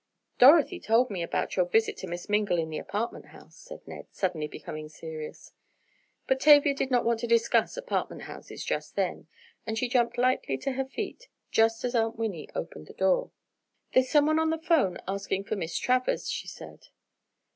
"Dorothy told me about your visit to Miss Mingle in the apartment house," said Ned, suddenly becoming serious. But Tavia did not want to discuss apartment houses just then, and she jumped lightly to her feet, just as Aunt Winnie opened the door. "There's someone on the 'phone asking for Miss Travers!" she said.